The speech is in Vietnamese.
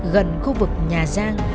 gần khu vực nhà giang